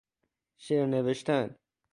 شعر نوشتن